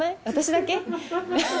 私だけ？